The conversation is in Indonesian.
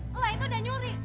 lo yang itu udah nyuri